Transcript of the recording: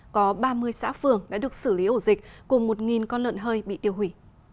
có ba mươi xã phường đã được xử lý ổ dịch cùng một con lợn hơi bị tiêu hủy